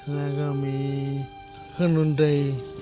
แล้วก็มีเครื่องดนตรี